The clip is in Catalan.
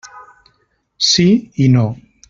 Sí i no.